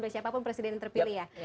siapapun presiden yang terpilih ya